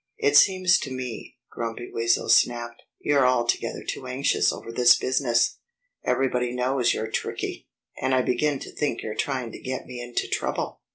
"It seems to me," Grumpy Weasel snapped, "you're altogether too anxious over this business. Everybody knows you're tricky. And I begin to think you're trying to get me into trouble."